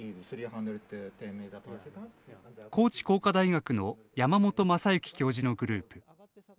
高知工科大学の山本真行教授のグループ。